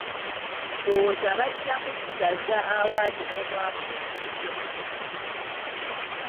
Ndowooza bajja kusigaza awaadi n'omwaka ogujja.